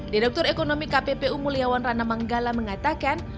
direktur ekonomi kppu mulyawan rana manggala mengatakan